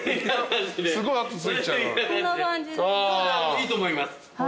いいと思います。